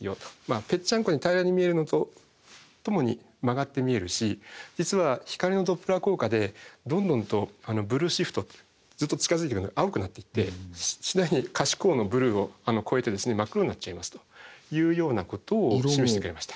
ぺっちゃんこに平らに見えるのとともに曲がって見えるし実は光のドップラー効果でどんどんとブルーシフトずっと近づいていくと青くなっていって次第に可視光のブルーを越えて真っ黒になっちゃいますというようなことを示してくれました。